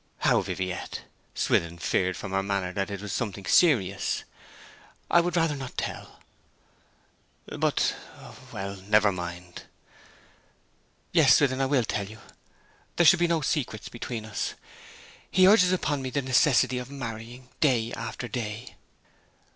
'How, Viviette?' Swithin feared, from her manner, that this was something serious. 'I would rather not tell.' 'But Well, never mind.' 'Yes, Swithin, I will tell you. There should be no secrets between us. He urges upon me the necessity of marrying, day after day.'